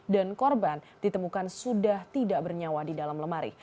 korban ditemukan sudah tidak bernyawa di dalam lemari